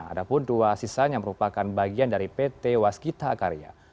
ada pun dua sisanya merupakan bagian dari pt waskita karya